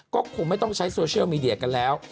ก็คงไม่ต้องใช้โซเชียลมีเดียกันแล้ว